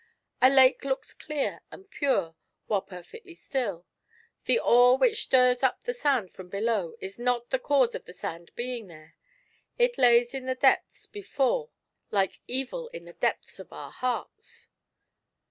A lake looks clear and pure while perfectly stiU ; the oar which stirs up the sand from below is not the cause of the sand being there, it lay in the depths before, like evil in the depths of our hearts."